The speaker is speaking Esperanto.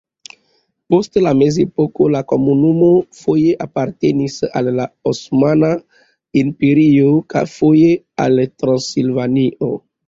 Post la mezepoko la komunumo foje apartenis al la Osmana Imperio, foje al Transilvanio.